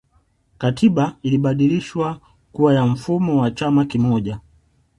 katiba ilibadilishwa kuwa ya mfumo wa chama kimoja